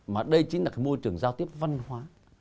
mà đây chính là cái môi trường giao tiếp văn hóa